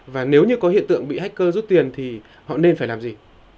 và nếu như có hiện tượng bị hacker rút tiền thì họ nên phải làm gì